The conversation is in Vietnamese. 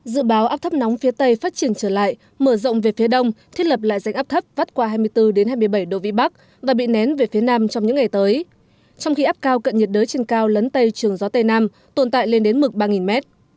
dự báo áp thấp nóng phía tây phát triển trở lại mở rộng về phía đông thiết lập lại danh áp thấp vắt qua hai mươi bốn hai mươi bảy độ vĩ bắc và bị nén về phía nam trong những ngày tới trong khi áp cao cận nhiệt đới trên cao lấn tây trường gió tây nam tồn tại lên đến mực ba m